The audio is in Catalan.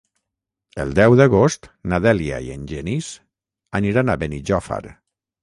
El deu d'agost na Dèlia i en Genís aniran a Benijòfar.